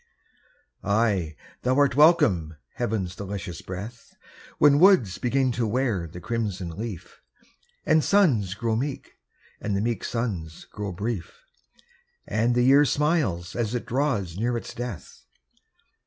Ay, thou art welcome, heaven's delicious breath, When woods begin to wear the crimson leaf, And suns grow meek, and the meek suns grow brief, And the year smiles as it draws near its death.